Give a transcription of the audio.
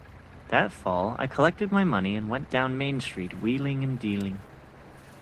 That fall I collected my money and went down Main Street wheeling and dealing.